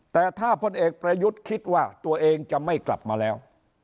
แต่ถ้าพลเอกประยุทธ์คิดว่าตัวเองจะไม่กลับมาแล้ว